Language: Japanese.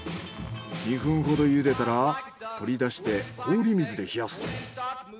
２分ほど茹でたら取り出して氷水で冷やす。